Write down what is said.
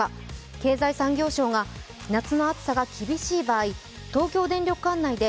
経済産業省が夏の暑さが厳しい場合、東京電力管内で